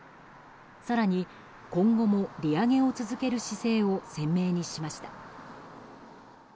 更に今後も利上げを続ける姿勢を鮮明にしました。